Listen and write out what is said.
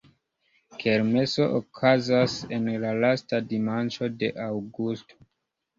Kermeso okazas en la lasta dimanĉo de aŭgusto.